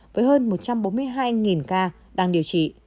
với hơn một trăm bốn mươi hai ca đang điều trị